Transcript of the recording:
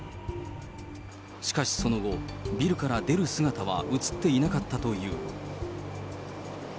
しかしその後、ビルから出る姿は写っていなかったという。